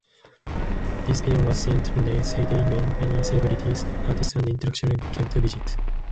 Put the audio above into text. This period was Saint-Lunaire's heyday, when many celebrities, artists and intellectuals came to visit.